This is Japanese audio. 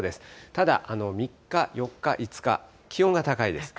ただ、３日、４日、５日、気温が高いです。